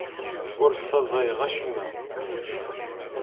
Ur ssaẓayeɣ acemma.